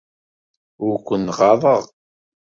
Ur ken-ɣaḍeɣ.